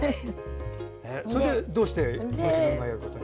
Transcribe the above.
それで、どうしてご一座に通うことに？